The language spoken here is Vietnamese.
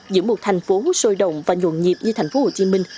giữa một thành phố sôi động và nhuộn nhịp như thành phố hồ chí minh